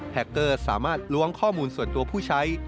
เกอร์สามารถล้วงข้อมูลส่วนตัวผู้ใช้